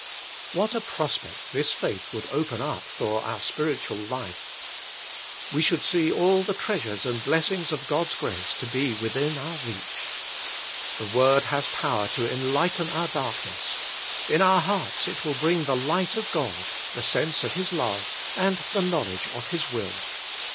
What a prospect this faith would open up for our spiritual life ! We should see all the treasures and blessings of God's grace to be within our reach. The word has power to enlighten our dark ness : in our hearts it will bring the light of God, the sense of His love, and the knowledge of His will.